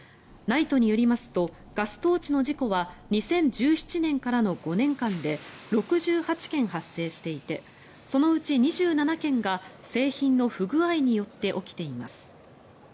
ＮＩＴＥによりますとガストーチの事故は２０１７年からの５年間で６８件発生していてそのうち２７件が製品の不具合によって起きています。